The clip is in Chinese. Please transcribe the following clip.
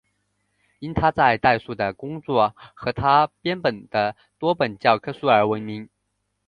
因他在代数的工作和他编写的多本教科书而闻名。